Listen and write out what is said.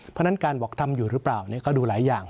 เพราะฉะนั้นการบอกทำอยู่หรือเปล่าก็ดูหลายอย่าง